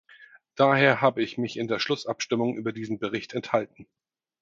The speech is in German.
Daher habe ich mich in der Schlussabstimmung über diesen Bericht enthalten.